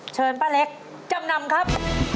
เชิญป้าเล็กจำนำครับ